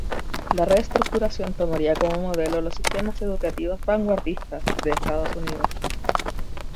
La reestructuración tomaría como modelo los sistemas educativos vanguardistas de Estados Unidos.